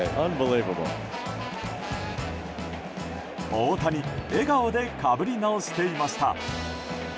大谷、笑顔でかぶり直していました。